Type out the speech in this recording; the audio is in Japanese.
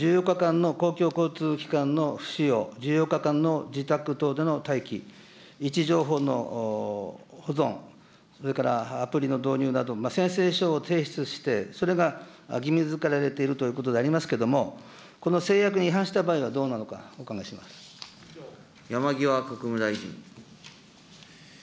１４日間の公共交通機関の不使用、１４日間の自宅等での待機、位置情報の保存、それからアプリの導入など、宣誓書を提出して、それが義務づけられているということでありますけれども、この制約に違反した場合はどうなるのか、お山際国務大臣。